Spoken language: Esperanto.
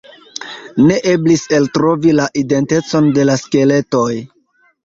Ne eblis eltrovi la identecon de la skeletoj.